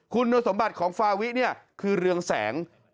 คุณสมบัติของฟาวิเนี่ยคือเรืองแสง